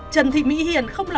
trần thị mỹ hiển không lạc